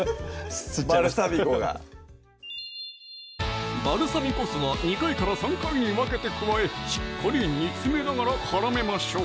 バルサミコがバルサミコ酢は２回から３回に分けて加えしっかり煮つめながら絡めましょう